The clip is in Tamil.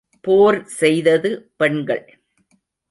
போர் செய்தது பெண்கள்.